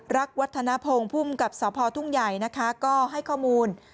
วัฒนภงภูมิกับสพทุ่งใหญ่นะคะก็ให้ข้อมูล